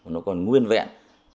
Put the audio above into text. nó còn nguyên vẹn